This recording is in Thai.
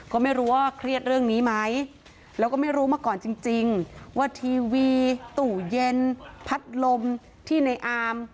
ก็ไม่รู้ว่าเครียดเรื่องนี้ไหมแล้วก็ไม่รู้มาก่อนจริงว่าทีวีตู้เย็นพัดลมที่ในอาม